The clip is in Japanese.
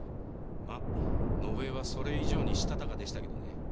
まっ伸枝はそれ以上にしたたかでしたけどね。